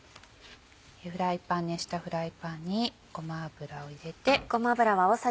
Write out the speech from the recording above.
熱したフライパンにごま油を入れて。